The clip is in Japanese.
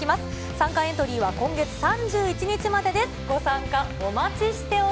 参加エントリーは今月３１日までです。